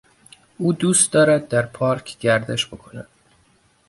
او دوست دارد در پارک گردش بکند.